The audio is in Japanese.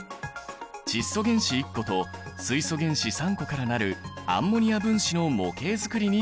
窒素原子１個と水素原子３個から成るアンモニア分子の模型づくりに挑戦！